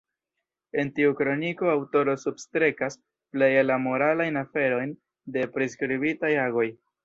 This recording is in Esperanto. En tiu kroniko aŭtoro substrekas pleje la moralajn aferojn de priskribitaj agoj.